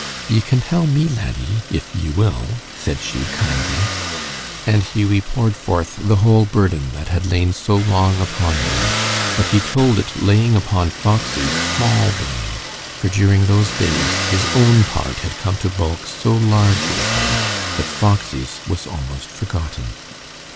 "Ye can tell me, laddie, if ye will," said she, kindly, and Hughie poured forth the whole burden that had lain so long upon him, but he told it laying upon Foxy small blame, for during those days, his own part had come to bulk so large with him that Foxy's was almost forgotten.